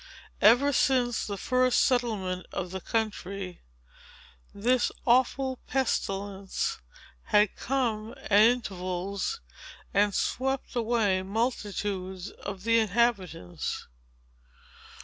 Ever since the first settlement of the country, this awful pestilence had come, at intervals, and swept away multitudes of the inhabitants.